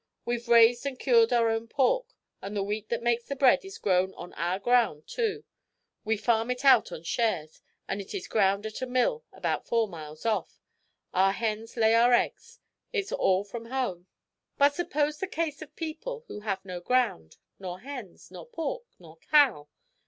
We've raised and cured our own pork; and the wheat that makes the bread is grown on our ground too; we farm it out on shares; and it is ground at a mill about four miles off. Our hens lay our eggs; it's all from home." "But suppose the case of people who have no ground, nor hens, nor pork, nor cow?